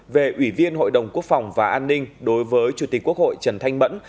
về ủy viên hội đồng quốc phòng và an ninh đối với chủ tịch quốc hội trần thanh mẫn